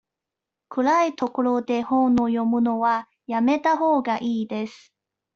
暗い所で本を読むのはやめたほうがいいです。